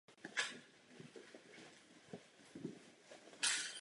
První implementace v prohlížeči byla založena na schopnostech asm.js.